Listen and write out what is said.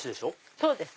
そうです。